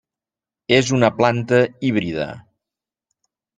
És una planta híbrida.